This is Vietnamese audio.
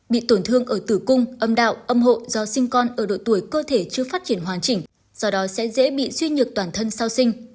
bị tổn thương ở tử cung âm đạo âm hộ do sinh con ở độ tuổi cơ thể chưa phát triển hoàn chỉnh do đó sẽ dễ bị suy nhược toàn thân sau sinh